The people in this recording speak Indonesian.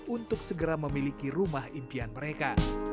untuk segera memiliki rumah impian mereka